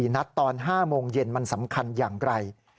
นัดตอน๕โมงเย็นมันสำคัญอย่างไร